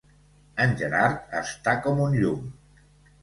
En Gerard està com un llum.